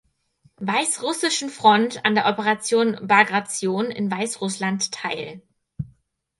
Weißrussischen Front an der Operation Bagration in Weißrussland teil.